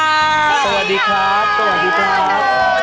สวัสดีครับ